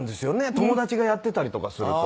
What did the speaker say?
友達がやってたりとかすると。